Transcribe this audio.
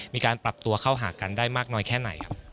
มีการปรับตัวเข้าหากันได้มากน้อยแค่ไหนครับ